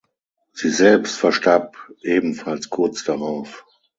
Sie selbst verstarb ebenfalls kurz darauf.